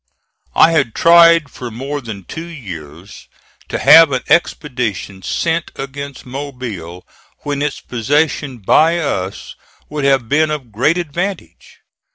I had tried for more than two years to have an expedition sent against Mobile when its possession by us would have been of great advantage.